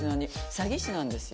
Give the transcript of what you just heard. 詐欺師なんですよ。